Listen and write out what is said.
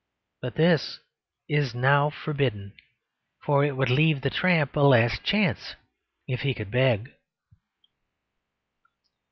But this is now forbidden; for it would leave the tramp a last chance if he could beg.